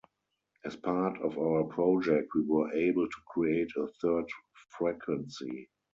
As part of our project, we were able to create a third frequency.